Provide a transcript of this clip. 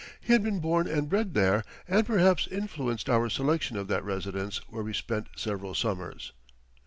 He had been born and bred there and perhaps influenced our selection of that residence where we spent several summers.